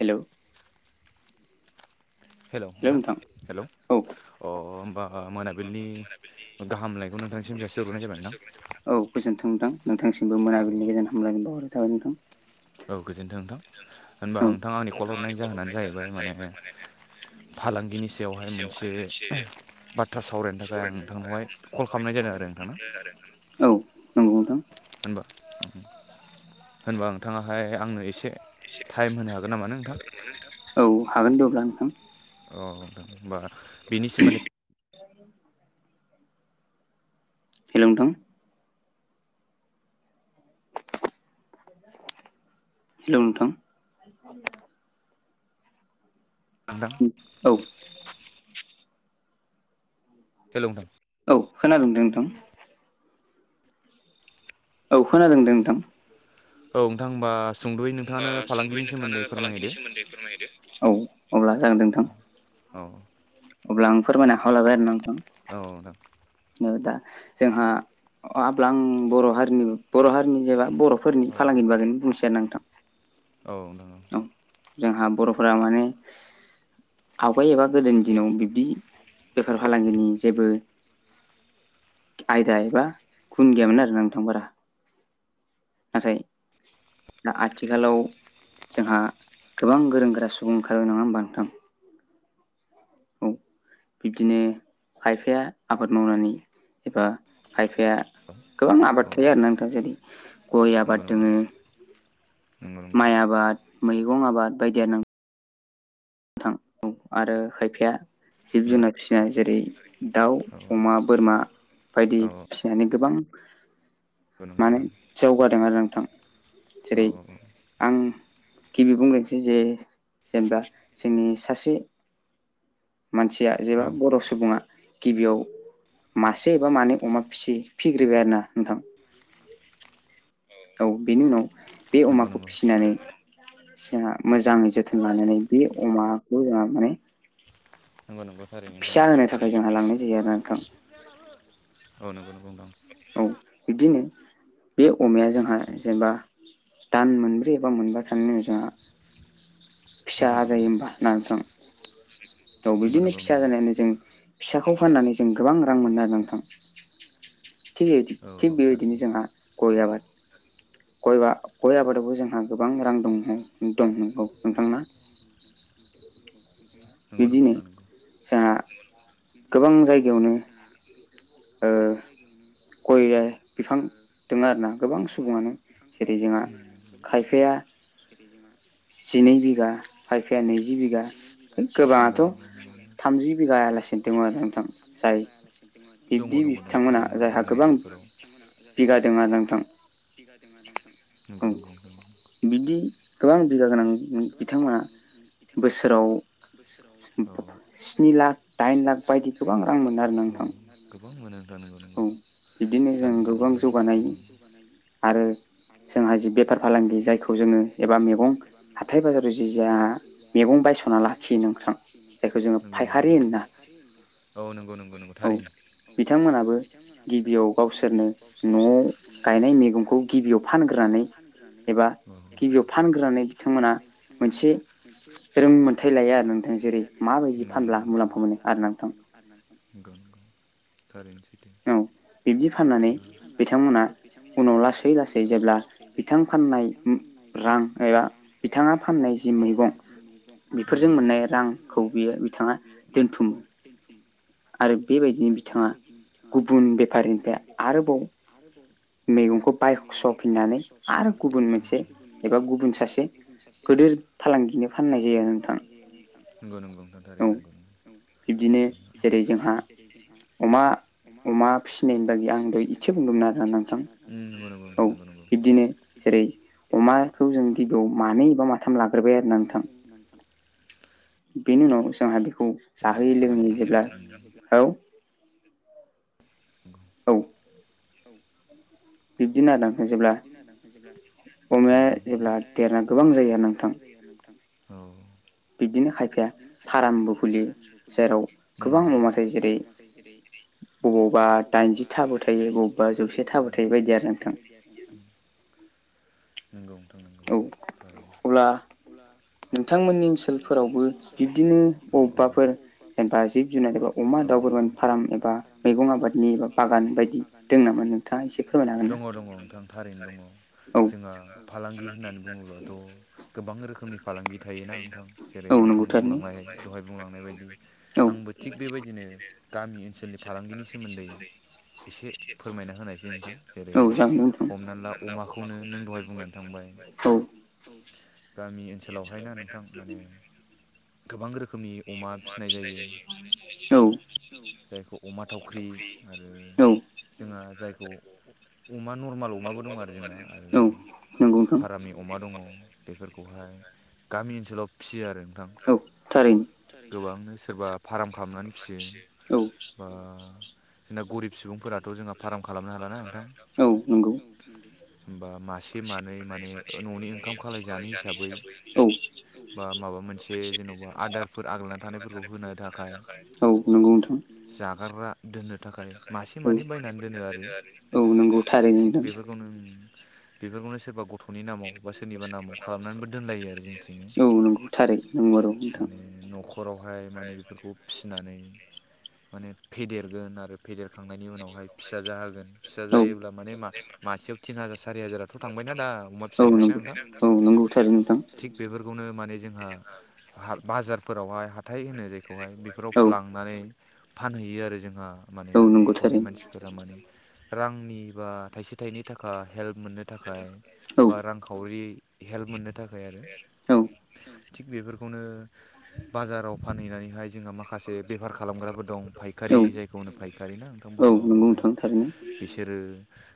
हेल' hello नोंथां hello अ होमबा मोनाबिलिनि गाहामलायखौ नोंथांसिम जासे होग्रोनायाबाय नोंथां औ गोजोन्थोंथां नोंथांसिमबो मोनाबिलिनि गेजेराव हामलायनि बावहरनाय थाबाय नोंथां औ गोजोन्थों नोंथां होनबा नोंथाङा आंनि कल हरनायनि जाहोनानो जाहैबाय माने फालांगिनि सायावहाय मोनसे बाथ्रा सावरायनो थाखाय आं नोंथांनावहाय कल खालामनाय जादों आरो नोंथांना औ नंगौ नोंथां होनबा होनबा नोंथाङाहाय आंनो एसे टाइम होनो हागोन नामा नों नोंथां औ हागोन दे अब्ला नोंथां औ होमबा बिनि सोमोन्दै औ हेल' नों दं हेल' नोंथां उ आ औ सोलोंदों औ खोनादोंदों नोंथां औ खोनादोंदों नोंथां औ नोंथां होमबा सुंद'यै नोंथाङानो फालांगिनि सोमोन्दै फोरमायदो फोरमायदो औ अब्ला जागोन नोंथां औ अब्ला आं फोरमायना हालाबाय आरो नोंथां औ दां दा जोंहा आब्लां बर' हारिनि बर' हारिनि जेबा बर'फोरनि फालांगिनि बागै बुंसै आरो नोंथां औ नोंगौ जोंहा बर'फोरा माने आवगाय एबा गोदोनि दिनाव बिब्दि बेफार फालांगिनि जेबो आयदा एबा गुन गैयामोन आरो नोंथां बारा नाथाय दा आथिखालाव जोंहा गोबां गोरों गोरा सुबुं ओंखारबाय नङा होमबानोथां औ बिब्दिनो खायफाया आबाद मावनानै एबा खायफाया गोबां आबाद थायो आरो नोंथा जेरै गय आबाद दोङो माइ आबाद मैगं आबाद बायदिया नांग आरो खायफाया जिब जुनार फिसिनाय जेरै दाउ अमा बोरमा बायदि दहानि गोबां माने जौगादों आरो नोंथां जेरै आं गिबि बुंग्रोनसै जे जेनेबा जोंनि सासे मानसिया जेबा बर' सुबुङा गिबियाव मासे एबा मानै अमा फिसि फिग्रोबबाय आरो ना नोंथां औ बेनि उनाव बे अमाखौ फिसिनानै जोंहा मोजाङै जोथोन लानानै बे अमाखौ जोंहा माने नंगौ नंगौथारै नोंथां फ्राय जोंहा लांनाय जायो आरो नोंथां औ नंगौ नंगौ नोंथां औ बिदिनो बे अमाया जोंहा जेनेबा दान मोनब्रै एबा मोनबाया थानायानानै जोंहा फिसा जायो होमबा नथां थ' बिदिनो फिसा जानायानो जों फिसाखौ फाननानै जों गोबां रां मोननोोनांथां थि बेबाय थिग बेबायदिनो जोंहा गय आबाद गयबा गय आबादावबो जोंहा गोबां रां दं दं दं नगौ नोंथांना बिब्दिनो जोंहा गोबां जायगायावनो ओ गय बिफां दोंङ आरोना गोबां सुबुंङानो जेरै जोंहा खायफाया [inaudible] जिनै बिगा खायफाया नैजि बिगा गोबांङाथ थामजि बिघाायालासि दमोन आरो नोंथां जाय बिब्दि बिथांमोनहा जायहा गोबां बिगा दं आरो नोंथां बिगाज मों नंगौ नंगौ बिब्दि गोबां बिगा गोनां बिथांमोना बोसोराव स्नि लाख दाइन लाख बायदि गोबां रां मोनो आरो नोंथां गोबां मोनानो औ बिब्दिनो जों गोबां जौगानाय आरो जोंहा जि बेफार फालांगि जायखौ जोंङो एबा मैगं हाथाइ बाजाराव जि जा मेगं बायसना लाखियो नोंथां जायखौ जोंङो फायखारि होनोना औ नंगौ नं औ बिथांमोनाबो गिबियाव गावसोरनो नआव गायनाय मेगंखौ गिबियाव फानग्रोनानै एबा गिबियाव फानग्रोनानै बिथांमोना मोनसे रोंमोनथाय लाया नोंथां जेरै माबायदि फानब्ला मुलाम्फा मोनो आरोना नोंथां नंगौ कारेक्ट औ बिब्दि फाननानै बिथांमोना उनाव लासै लासै जेब्ला बिथां फाननाय रां एबा बिथांङा फाननाय जि मैगं बेफोरजों मोननाय रांखौ बियो बिथांङा दोनथुम [inaudible] आरो बेबायदिनो बिथांङा गुबुन बेफारिनिफ्राय आरोबाव मैगंखौ बायसफिननानै आरो गुबुन मोनसे एबा गुबुन सासे गोदोर फालांगिनो फाननाय जायो नोंथां नंगौ नंगौ थारैनो नंगौ बिब्दिनो जेरै जोंहा अमा अमा फिसिनायनि बागि आं दय इसे बुंदोंमोन आरोना नोंथां औ बिब्दिनो जेरै अमाखौ जों गिबियाव मानै एबा माथाम लाग्रोबाय आरो ना नोंथां बेनि उनाव जोंहा बेखौ जाहोयो लोंङो जेब्ला औ औ बिब्दिनो आरो ना जेब्ला अमाया जेब्ला देरना गोबां जायो आरो नोंथां औ बिबदिनो खायफाया फारामबो खुलियो जेराव गोबां अमा थायो जेरै बबावबा दाइनजि थाबो थायो बबावबा जौसे थाबो थायो बायदि आरो नोंथां [inaudible] नोंगौ नोंथां नों औ अब्ला नोंथांमोननि ओनसोलफोरावबो बिब्दिनो अबावबाफोर जेनेबा जिब जुनार एबा अमा दाउफोरोरमान फारम एबा मैगं आबादनि एबा बागान बायदि दोंनामा नोंथांङा एसे फोरमायनाहो दंङ दंङ नोंथां थारैनो दंङ जोंहा फालांगि होननानै बुंङोब्लाथ गोबां रोखोमनि फालांगि थायोना नोंथां जेरै नोंथां बुंलांनाय दहाय बुंलांनाय बायदि आंबो थिग बेबायदिनो गामि ओनसोलनि फालांगिनि सोमोन्दै एसे फोरमायना होनायसै नोंथां औ जामबुंखौ औ गामि ओनसोलावहाय ना नोंथां माने गोबां रोखोमनि अमा फिसिनाय जायो जायखौ अमा थावख्रि आरो जोंहा जायखौ अमा नरमाल अमाबो दं आरो जोंना आरो फारामनि अमा दंङ बेफोरखौहाय गामि ओनसोलाव फिसियो आरो औ थारैनो गोबांनो सोरबा फार्म खालामनानै फियो बा जोंना गरिब सुबुंफोराथ' जोंहा फार्म खालामनो हालाना नोंथां होमबा मासे मानै माने न'नि ओंखाम सालायजानाय हिसाबै बा माबा मोनसे जेन'बा आदारफोर आग्लना थानायफोर ग्रुप होनो थाखाय औ नंगौ नोंथां जाग्रा दोननो थाखाय मासे मानै बायनानै दोनो आरो थिग बेफोर नो सोरबा ग थ'नि नामाव बा सोरनिबा नामाव खालामनानैबो दोनलायो आरो जोंथिंनो नंगौ थारै नों मारगौ नोंथां खरावहाय माने बेफोरखौ फिसिनानै माने फेदेरगोन आरो फेदेरखांनायनि उनावहाय फिसा जाहोगोन फिसा जायोब्ला माने मा मासेयाव तिन हाजार सारि हाजाराथ' थांबायना दा अमा फिसायाहायनो आं दा औ नंगौ थारैनो नोंथां थिग बेफोरखौनो माने जोंहा बाजारफोरावहाय हाथाय होनो जाय खौहाय बेफोराव फ्लांनानै फानहैयो आरो जोंहा माने न'खरनि मानसिफोरा माने रांनि बा थाइसे थाइनै थाखाय हेल्प मोननो थाखाय बा रां खावरि हेल्प मोननो थाखाय आरो थिग बेफोरखौनो बाजाराव फानहैनानैहाय जोंहा माखासे बेफार खालामग्राबो फायखारि जायखौ होननो फायखारि ना नोंथां बर' रावआवहाय बिसोरो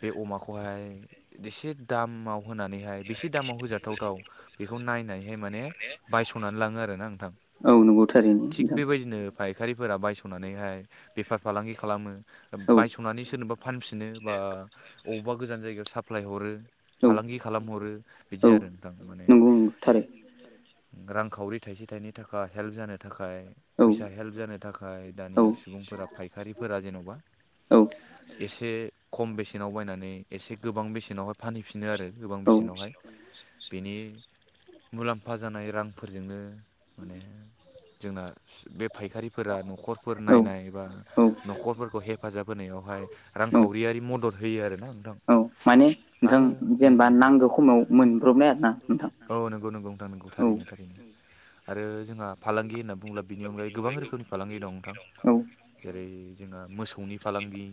बे अमाखौहाय एसे दामाव होनानैहाय बेसे दामाव होजाथावथाव बेखौ नायनानैहाय माने बायस'नानै लाङो आरोना नोंथां नंगौ थारैनो नोंथां फायखारिफोरा बायस'नानैहाय बेफार फालांगि खालामो बायस'नानै सोरनोबा फानफिनो बा बबावबा गोजान जायगायाव साप्लाय हरो फालांगि खालामहरो बिदि आरो नोंथां माने रांखावरि थाइसे थाइनै थाखाय हेल्प जानो थाखाय फैसा हेल्प जानो थाखाय ओमफ्राय दानि सुबुंफोरा फायखारिफोरा जेन'बा एसे खम बेसेनाव बायनानै एसे गोबां बेसेनावहाय फानहैफिन नो आरो गोबां बेसेनावहाय बेनि मुलाम्फा जानाय रांफोरजोंनो माने जोंना बे फायखारिफोरा न'खरफोर नायनाय एबा न'खरफोरखौ हेफाजाब होनायावहाय रांखावरियारि मदद होयो आरो ना नोंथां माने नोंथां जेनेबा नांगौ खामाव मोनब्रनाय आरो ना नोंथां औ नंगौ नंगौ नोंथां नंगौ थारैनो थारैनो आरो जोंहा फालांगि होनना बुंङोब्ला बिनि अनगायै गोबां रोखोमनि फालांगि दं नोंथां जेरै जोंहा मोसौनि फालांगि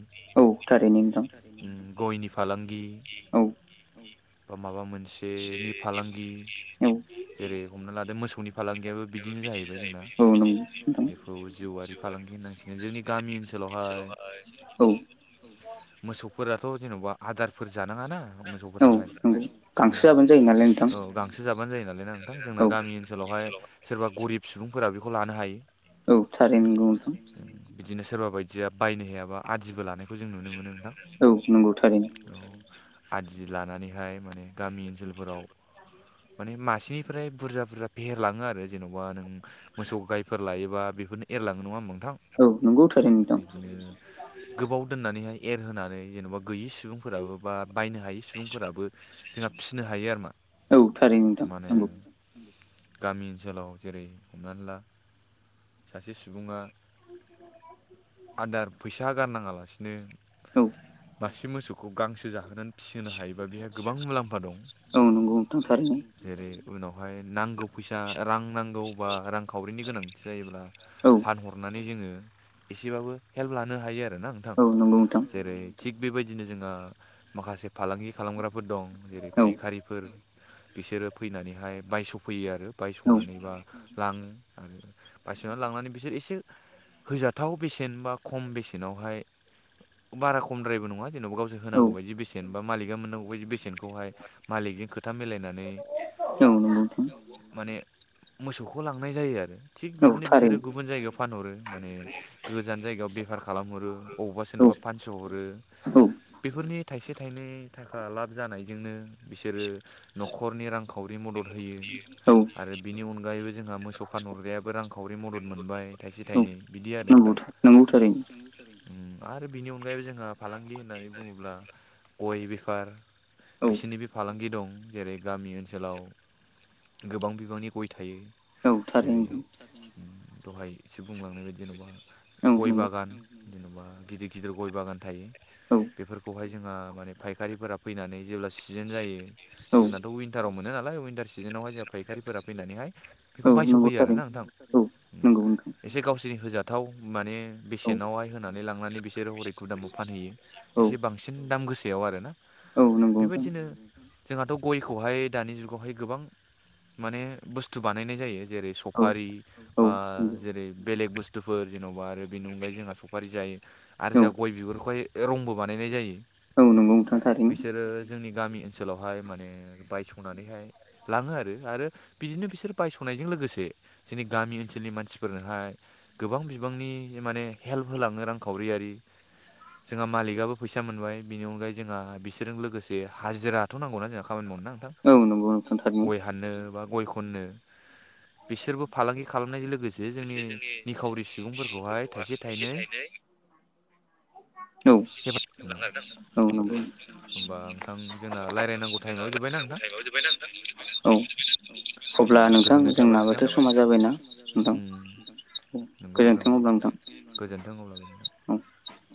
उम गयनि फालांगि औ बा माबा मोनसेनि फालांगि जेरै हमना लादो मोसौनि फालांगियाबो बिदिनो जाहैबाय जोंना खौ जिउआरि फालांगि होननांसिगोन जोंनि गामि ओनसोलावहाय मोसौफोराथ' जेन'बा आदारफोर जानाङा ना। मोसौफोराहाय औ ओम गांसो औ। गांसो जाबानो जायो नालाय ना नोंथां। जोंना गामि ओनसो ओनसोलावहाय सोरबा गरिब सुबुंफोरा बेखौ लानो हायो। औ थारै नंगौ नोंथां। बिदिनो सोरबा बायदिया बायनो हायाबा आदिबो लानो खौ जों नुनो मोनो नोंथां। औ आदि लानानैहाय माने गामि ओनसोलफोराव माने मासेनिफ्राय बुरजा बुरजा फेहेरलाङो आरो। जेन'बा नों मोसौ गायफोर लायोबा बेफोरनो एरलाङो नङा होमबा नोंथां! औ नंगौ थारै नोंथां। गोबाव दोननानैहाय एरहोनानै जेन'बा गैयि सुबुंफोराबो, बा बायनो हायि सुबुंफोराबो जोंहा फिसिनो हायो आरोमा। औ थारै नोंथां नंगौ। गामि ओनसोलाव जेरै हमनानै ला सासे सुबुङा आदार फैसा गारनाङालासिनो मासे मोसौखौ गांसो जाहोनानै फिसिनो हायोबा बेहा गोबां मुलाम्फा दं। औ। जेरै उनावहाय नांगौ फैसा, रां नांगौ बा, रांखावरिनि गोनांथि जायोब्ला फान हरनानै जोङो एसेबाबो हेल्प लानो हायो आरोना नोंथां जेरै थिग बेबायदिनो जोंहा माखासे फालांगि खालामग्राफोर दं जेरै फायखारि फोर बिसोरो फैनानैहाय बायस'फैयो। आरो बायस'नानैबा लाङो आरो बायस'ना लांनानै बिसोर एसे होजाथाव बेसे बेसेन, बा खम बेसेनावहाय बारा खमद्रायबो नङा जेनेबा गावसोर होनांगौ बायदि बेसेन बेसेन बा मालिकआ मोन्नांगौ बाइदि बेसेन खौहाय मालिकजों खोथा मिलायनानै। माने मोसौखौ लांनाय जायो आरो। थिग बिदिनो बिसोरो गुबुन जायगायाव फानहरो। माने गोजान जायगायाव बेफार खालामहरो, अबावबा सोरनोबा फानस' हरो। बेफोरनि थाइसे थाइनै थाखा लाब जानायजोंनो बिसोरो न'खरनि रांखौ रांखावरि मदद होयो। आरो बिनि अनगायैबो जोंहा मोसौ फानहरग्रायाबो रां खावर खावरि मदद मोनबाय। थाइसे थाइनै बिदि आरो नोंथां। आरो बिनि अनगायैबो जोंहा फालांगि होननानै बुङोब्ला, गय बेफार बिसोरनि बे फालांगि दं। जेरै गामि ओनसोलाव गोबां बिबांनि गय थायो। जेरै दहाय एसे बुंलांनाय बायदि जेन'बा गय बागान। जेन'बा गिदिर गिदिर गय बागान थायो। औ बेफोरखौहाय जोंहा माने फायखारिफोरा फैनानै जेब्ला सिजोन जायो जोंनाथ' उइन उइनटाराव मोनो नालाय। उइनटार सिजोनावहाय जोंहा फायखारिफोरा फैनानैहाय बेखौ बायस' फैयो आरोना नोंथां। एसे गावसोरनि होजाथाव माने बेसेनावहाय होनानै लांनानै बिसोरो हरै गु दामाव फानहैयो। एसे बांसिन दाम गोसायाव आरोना। बेबायदिनो जोंहाथ' गयखौहाय दानि जुगावहाय गोबां माने बुस्थु बानायनाय जायो। जेरै सफारि बा, जेरै बेलेग बुस्थुफोर जेन'बा आरो बेनि अनगायै जोंहा सफारि जायो। आरो जोंहा गय बिगुरखौहाय रंबो बानायनाय जायो। बिसोरो जोंनि गामि ओनसोलावहाय माने बायसंनानैहाय लाङो आरो आरो बिदिनो बिसोर बायस'नायजों लोगोसे जोंनि गामि ओनसोलनि मानसिफोरनोहाय गोबां बिबांनि माने हेल्प होलाङो रांखावरियारि जोंहा मालिकआबो फैसा मोनबाय। बिनि अनगायै जोंहा बिसोरजों लोगोसे हाजिराथ' नांगौना जोंहा। खामानि मावनो ना नोंथां औ। गय हाननो, बा गय खननो बिसोरबो गि खालामनायजों लोगोसे जोंनि निखावरि सुबुंफोरखौहाय थाइसे थाइनै [inaudible] [unintelligible] होमबा नोंथां जोंना लायरायनांगौ टाइमाबो जोब्बायना नोंथां? औ। गोजोननाय जोंनाबोथ' समाज [inaudible] [inaudible]